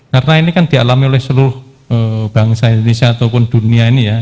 karena ini kan dialami oleh seluruh bangsa indonesia ataupun dunia ini ya